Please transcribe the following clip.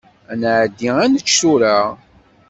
Ad nɛeddi ad nečč tura.